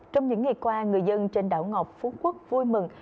trong những ngày qua người dân trên đảo ngọc phú quốc vui mừng